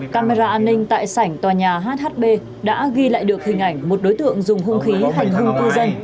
camera an ninh tại sảnh tòa nhà hhb đã ghi lại được hình ảnh một đối tượng dùng hung khí hành hung cư dân